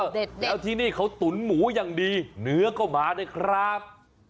แล้วที่นี่เขาตุ๋นหมูอย่างดีเนื้อก็มาด้วยครับ